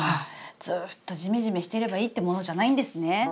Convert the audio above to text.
ずっとジメジメしてればいいってものじゃないんですね。